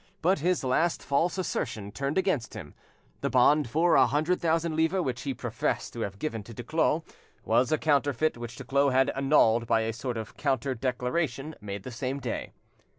But his last false assertion turned against him: the bond for a hundred thousand livres which he professed to have given to Duclos was a counterfeit which Duclos had annulled by a sort of counter declaration made the same day.